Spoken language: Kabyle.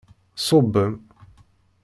Ṣṣubem!